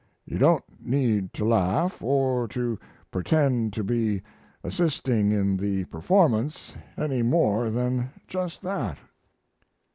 You don't need to laugh, or to pretend to be assisting in the performance any more than just that."